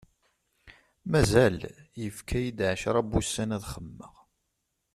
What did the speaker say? Mazal! Yefka-yi-d ɛecra n wussan ad xemmeɣ.